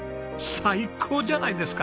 最高じゃないですか。